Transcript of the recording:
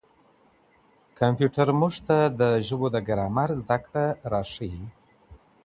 کمپیوټر موږ ته د ژبو د ګرامر زده کړه راښيي.